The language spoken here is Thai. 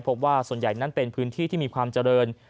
พบว่าส่วนใหญ่นั้นเป็นพื้นที่ที่มีความเจริญ